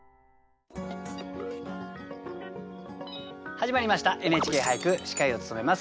始まりました「ＮＨＫ俳句」司会を務めます